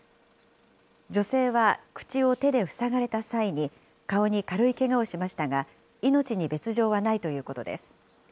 女性は口を手で塞がれた際に顔に軽いけがをしましたが、命に別状はないということです。